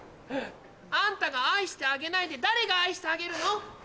あんたが愛してあげないで誰が愛してあげるの？